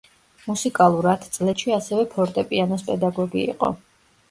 მუსიკალურ ათწლედში ასევე ფორტეპიანოს პედაგოგი იყო.